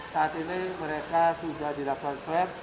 saat ini mereka sudah dilakukan swab